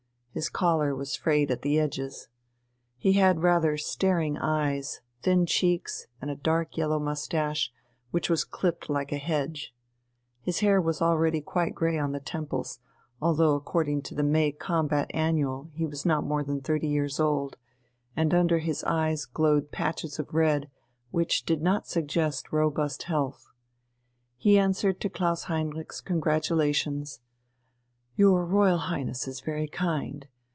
His collar was frayed at the edges. He had rather staring eyes, thin cheeks and a dark yellow moustache, which was clipped like a hedge. His hair was already quite grey on the temples, although according to the "May combat" Annual he was not more than thirty years old, and under his eyes glowed patches of red which did not suggest robust health. He answered to Klaus Heinrich's congratulations: "Your Royal Highness is very kind.